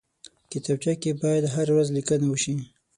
کتابچه کې باید هره ورځ لیکنه وشي